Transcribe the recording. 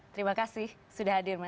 terima kasih sudah hadir